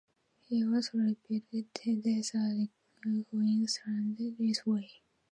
He also repeated this at Queensland Raceway.